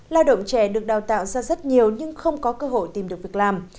lao động trẻ được đào tạo ra rất nhiều nhưng không có cơ hội tìm được việc làm